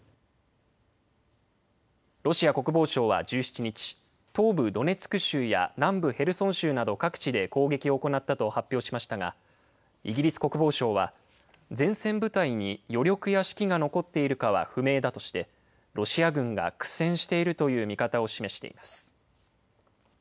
ロシア国防省は１７日、東部ドネツク州や南部ヘルソン州など各地で攻撃を行ったと発表しましたが、イギリス国防省は、前線部隊に余力や士気が残っているかは不明だとして、ロシア軍が苦戦しているという見方を示しています。